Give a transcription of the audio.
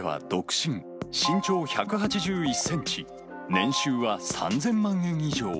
身長１８１センチ、年収は３０００万円以上。